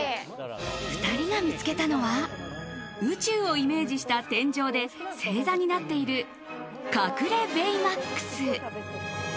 ２人が見つけたのは宇宙をイメージした天井で星座になっている隠れベイマックス。